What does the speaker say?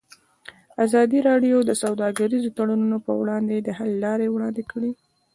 ازادي راډیو د سوداګریز تړونونه پر وړاندې د حل لارې وړاندې کړي.